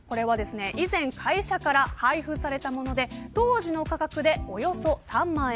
以前、会社から配布されたもので当時の価格で、およそ３万円。